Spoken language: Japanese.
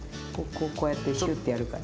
こうやってひゅってやるから。